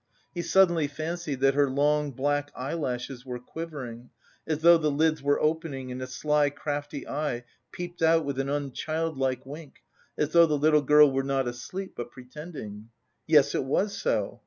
He suddenly fancied that her long black eyelashes were quivering, as though the lids were opening and a sly crafty eye peeped out with an unchildlike wink, as though the little girl were not asleep, but pretending. Yes, it was so.